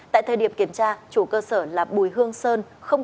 tại thời điểm kiểm tra chủ cơ sở là bùi hương sơn